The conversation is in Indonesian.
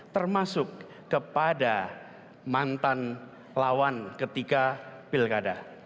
termasuk kepada mantan lawan ketika pilkada